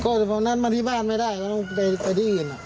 ก็พอนั้นมาที่บ้านไม่ได้ก็ต้องไปที่อื่น